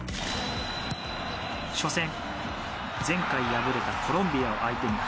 初戦、前回敗れたコロンビアを相手に